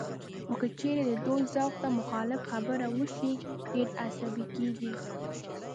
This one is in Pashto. خو که چېرې د دوی ذوق ته مخالف خبره وشي، ډېر عصبي کېږي